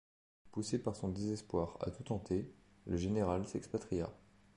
Poussé par son désespoir à tout tenter, le général s’expatria.